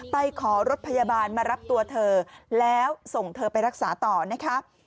ไปขอรถพยาบาลมารับตัวเธอแล้วส่งเธอไปรักษาต่อนะคะ